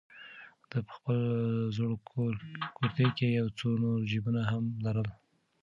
ده په خپل زوړ کورتۍ کې یو څو نور جېبونه هم لرل.